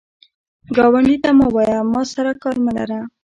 ګاونډي ته مه وایه “ما سره کار مه لره”